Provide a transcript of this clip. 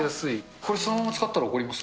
これ、そのまま使ったら怒ります？